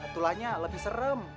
tulangnya lebih serem